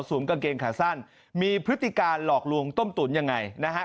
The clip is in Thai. กางเกงขาสั้นมีพฤติการหลอกลวงต้มตุ๋นยังไงนะฮะ